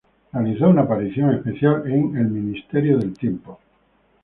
Realizó una aparición especial en El Ministerio del Tiempo.